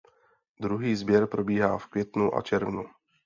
Druhý sběr probíhá v květnu a červnu.